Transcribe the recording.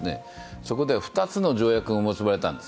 そこで２つの条約が結ばれたんです。